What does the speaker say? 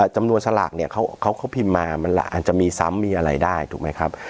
สลากเนี่ยเขาพิมพ์มามันอาจจะมีซ้ำมีอะไรได้ถูกไหมครับ